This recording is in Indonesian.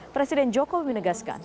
presiden jokowi menegaskan